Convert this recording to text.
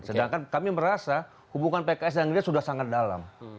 sedangkan kami merasa hubungan pks dan gerindra sudah sangat dalam